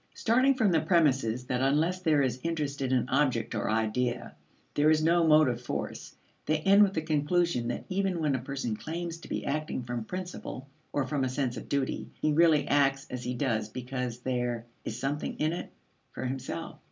Starting from the premises that unless there is interest in an object or idea, there is no motive force, they end with the conclusion that even when a person claims to be acting from principle or from a sense of duty, he really acts as he does because there "is something in it" for himself.